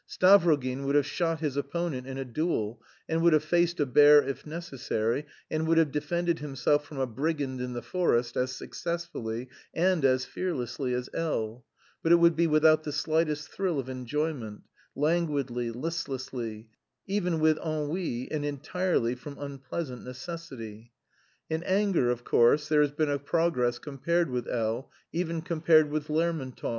Stavrogin would have shot his opponent in a duel, and would have faced a bear if necessary, and would have defended himself from a brigand in the forest as successfully and as fearlessly as L n, but it would be without the slightest thrill of enjoyment, languidly, listlessly, even with ennui and entirely from unpleasant necessity. In anger, of course, there has been a progress compared with L n, even compared with Lermontov.